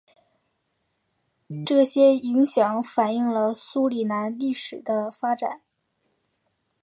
这些影响反映了苏里南历史的发展。